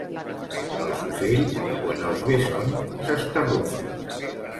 Els ocells, quan els ve son, s'estarrufen.